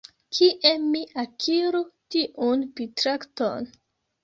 Kie mi akiru tiun pritrakton?